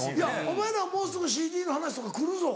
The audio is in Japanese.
お前らももうすぐＣＤの話とか来るぞ。